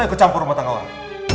udah kecampur rumah tangga orang